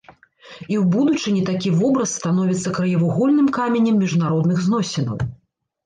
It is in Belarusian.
І ў будучыні такі вобраз становіцца краевугольным каменем міжнародных зносінаў.